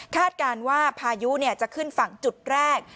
การว่าพายุจะขึ้นฝั่งจุดแรก